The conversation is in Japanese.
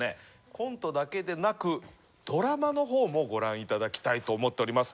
コントだけでなくドラマのほうもご覧いただきたいと思っております。